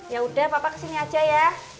yaudah papa kesini aja ya